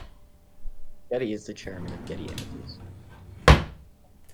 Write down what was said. Getty is the chairman of Getty Images.